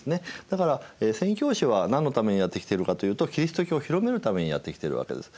だから宣教師は何のためにやって来ているかというとキリスト教を広めるためにやって来ているわけです。